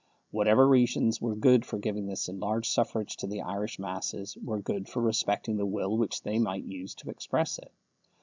Whatever reasons were good for giving this enlarged suffrage to the Irish masses, were good for respecting the will which they might use to express it.